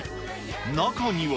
中には。